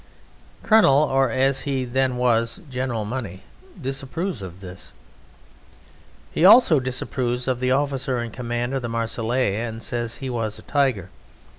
'" Colonel or, as he then was, General Money disapproves of this. He also disapproves of the officer in command of the Marseillese, and says he was a "Tyger."